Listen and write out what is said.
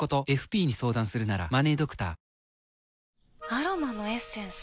アロマのエッセンス？